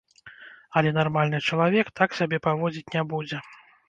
Але нармальны чалавек так сябе паводзіць не будзе.